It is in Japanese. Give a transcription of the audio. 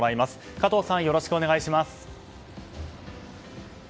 加藤さん、よろしくお願いします。